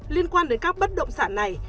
liên quan đến các bất động sản này